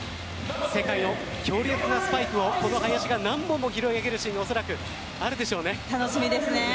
世界の強力なスパイクをこの林が何本も拾い上げるシーンもあるでしょうね。